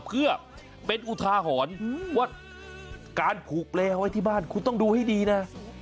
เพื่อเป็นอุทาหรณ์ว่าการผูกเลวไว้ที่บ้านคุณต้องดูให้ดีนะ